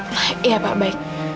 baik iya pak baik